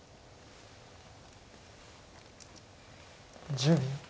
１０秒。